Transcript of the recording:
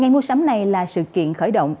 ngày mua sắm này là sự kiện khởi động